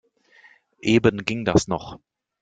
Eben ging das noch.